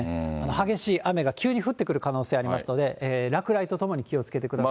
激しい雨が急に降ってくる可能性ありますので、落雷ともに気をつけてください。